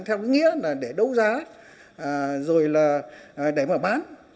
theo nghĩa là để đấu giá rồi là để mở bán